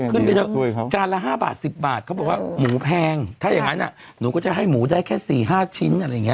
กาลละ๕๑๐บาทเขาบอกว่าหมูแพงถ้าอย่างงั้นอะหนูก็จะให้หมูได้แค่๔๕ชิ้นอะไรงี้